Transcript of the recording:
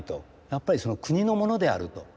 やっぱり国のものであると。